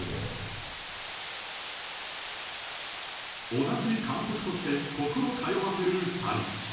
同じ監督として心を通わせる２人。